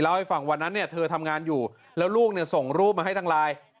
เล่าให้ฟังวันนั้นเธอทำงานอยู่แล้วลูกส่งรูปมาให้ทางไลน์